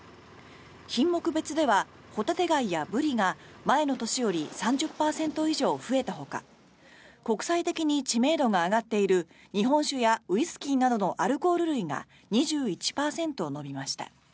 品目別ではホタテガイやブリが前の年より３０％以上増えたほか国際的に知名度が上がっている日本酒やウイスキーなどのアルコール類が２１％伸びました。